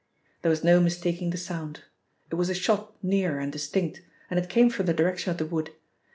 There was no mistaking the sound. It was a shot near and distinct, and it came from the direction of the wood.